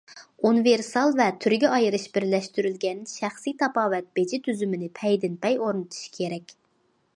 ئۇنىۋېرسال ۋە تۈرگە ئايرىش بىرلەشتۈرۈلگەن شەخسىي تاپاۋەت بېجى تۈزۈمىنى پەيدىنپەي ئورنىتىش كېرەك.